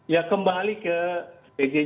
ya kembali ke bgc saja pak